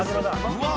うわ！